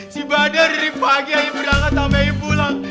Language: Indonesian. si badar dari pagi aja berangkat sampe pulang